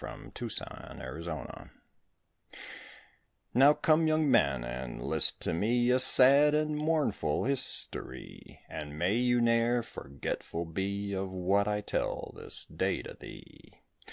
MACAFFIE'S CONFESSION Now come young men and list to me, A sad and mournful history; And may you ne'er forgetful be Of what I tell this day to thee.